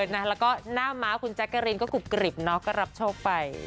แล้วก็หน้าม้าคุณแจ๊กกะรีนก็กรุบกริบเนาะก็รับโชคไป